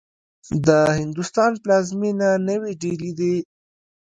د هندوستان پلازمېنه نوې ډيلې دې.